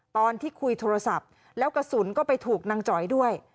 ตอนที่คุยโทรศัพท์แล้วกระสุนก็ไปถูกนางจ๋อยด้วย